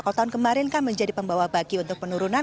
kalau tahun kemarin kan menjadi pembawa bagi untuk penurunan